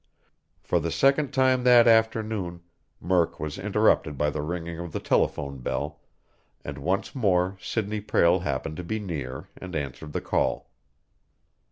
For the second time that afternoon, Murk was interrupted by the ringing of the telephone bell, and once more Sidney Prale happened to be near and answered the call.